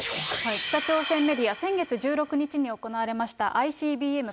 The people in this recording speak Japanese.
北朝鮮メディア、先月１６日に行われましたＩＣＢＭ